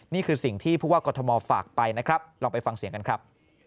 นี่คือสิ่งที่ผู้ว่ากรทมฝากไปนะครับลองไปฟังเสียงกันครับ